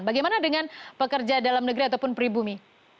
bagaimana dengan pekerja dalam negeri ataupun pribumi